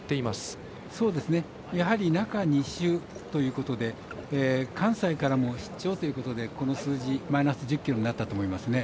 やはり中２週ということで関西からの出張ということでマイナス１０ｋｇになったと思います。